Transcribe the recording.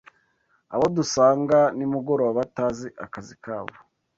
Abo dusanga nimugoroba batazi akazi kabo